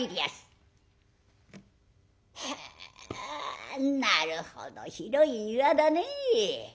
へえなるほど広い庭だねえ。